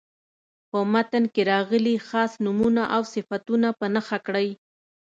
په متن کې راغلي خاص نومونه او صفتونه په نښه کړئ.